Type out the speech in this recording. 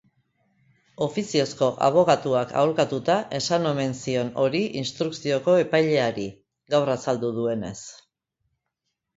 Ofiziozko abokatuak aholkatuta esan omen zion hori instrukzioko epaileari, gaur azaldu duenez.